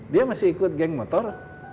dia masih ikut geng motor